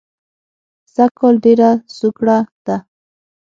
سږ کال ډېره سوکړه ده